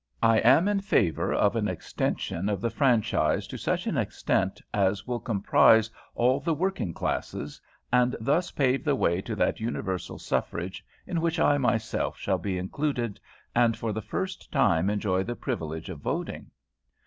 "I am in favour of an extension of the franchise to such an extent as will comprise all the working classes, and thus pave the way to that universal suffrage in which I myself shall be included, and for the first time enjoy the privilege of voting.